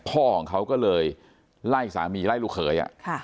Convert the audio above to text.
พ่อของเขาก็เลยไล่สามีไล่ลูกเขย